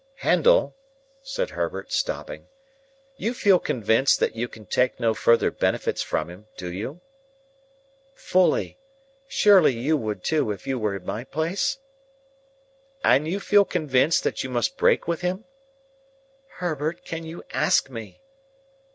"Handel," said Herbert, stopping, "you feel convinced that you can take no further benefits from him; do you?" "Fully. Surely you would, too, if you were in my place?" "And you feel convinced that you must break with him?" "Herbert, can you ask me?"